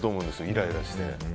イライラして。